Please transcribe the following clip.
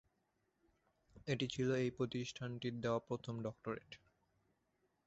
এটি ছিল এই প্রতিষ্ঠানটির দেওয়া প্রথম ডক্টরেট।